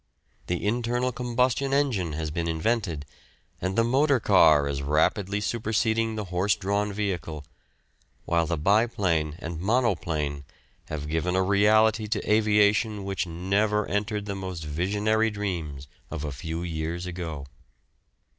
The internal combustion engine has been invented, and the motor car is rapidly superseding the horse drawn vehicle; while the biplane and monoplane have given a reality to aviation which never entered the most visionary dreams of a few years ago.